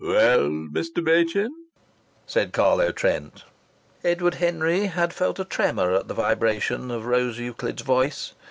"Well, Mr. Machin?" said Carlo Trent. Edward Henry had felt a tremor at the vibrations of Rose Euclid's voice.